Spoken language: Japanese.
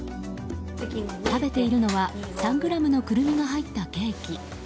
食べているのは３ｇのクルミが入ったケーキ。